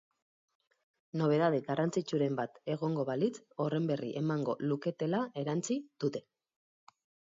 Nobedade garrantzitsuren bat egongo balitz, horren berri emango luketela erantsi dute.